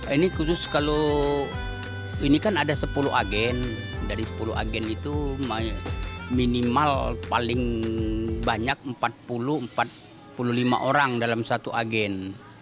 ini khusus kalau ini kan ada sepuluh agen dari sepuluh agen itu minimal paling banyak empat puluh empat puluh lima orang dalam satu agen